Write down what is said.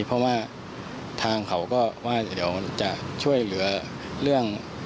เพราะว่าทางเขาก็ว่าเดี๋ยวจะช่วยเหลือเรื่อง